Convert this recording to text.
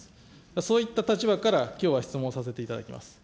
そういった立場から、きょうは質問させていただきます。